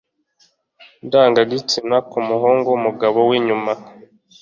ndangagitsina ku muhungu mugabo w'inyuma